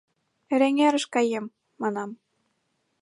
— Эреҥерыш каем, — манам.